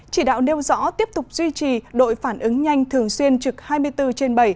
chỉ đạo nêu rõ tiếp tục duy trì đội phản ứng nhanh thường xuyên trực hai mươi bốn trên bảy